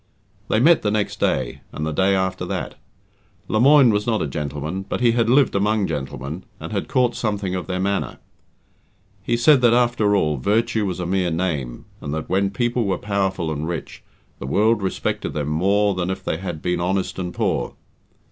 They met the next day, and the day after that. Lemoine was not a gentleman, but he had lived among gentlemen, and had caught something of their manner. He said that, after all, virtue was a mere name, and that when people were powerful and rich, the world respected them more than if they had been honest and poor.